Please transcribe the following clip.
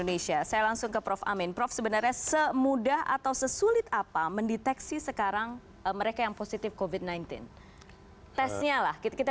oke tes berarti prosedur laboratoriumnya